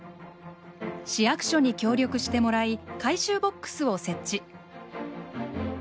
市役所に協力してもらい回収ボックスを設置。